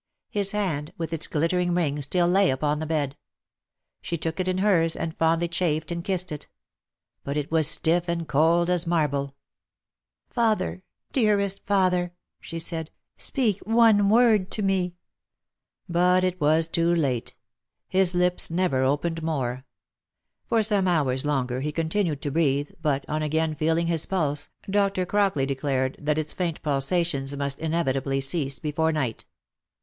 His hand, with its glittering ring, still Jay upon the bed ; she took it in hers, and fondly chafed and kissed it. But it was stiff and cold as marble ! "Father! dearest father!" she said, "speak one word to me!" II. : I, '.. fi»a ii tttf nJMH OF MICHAEL ARMSTRONG. 365 But it was too late ; his lips never opened more. For some hours longer he continued to breathe, but, on again feeling his pulse, Dr. Crockley declared that its faint pulsations must inevitably cease before night.